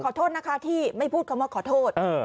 ขอโทษนะคะที่ไม่พูดคำว่าขอโทษ